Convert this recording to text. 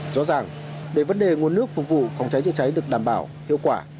rõ ràng để vấn đề nguồn nước phục vụ phòng cháy chữa cháy được đảm bảo hiệu quả